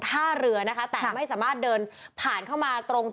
แต่ว่าไม่สามารถผ่านเข้าไปที่บริเวณถนน